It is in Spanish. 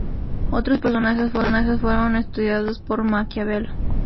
Otros personajes fueron estudiados por Maquiavelo.